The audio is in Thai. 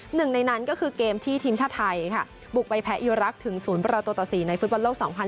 หนึ่งในนั้นก็คือเกมที่ทีมชาติไทยบุกไปแพ้อิลรักษ์ถึงศูนย์ประตูตสีในฟุตบันโลก๒๐๑๘